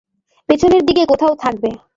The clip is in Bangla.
পেছনের দিকে কোথাও থাকবে।